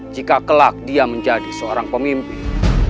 jika kelak dia menjadi seorang pemimpin